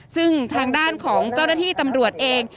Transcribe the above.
ซึ่งทางด้านของเจ้าหน้าที่ตำรวจเอง